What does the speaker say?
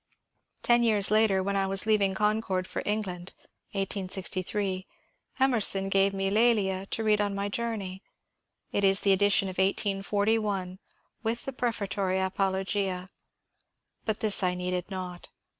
Ten years later, when I was leaving Concord for England (1863), Emerson gave me "L^lia" to read on my journey. It is the edition of 1841, with the prefatory apologia ; but this I needed not.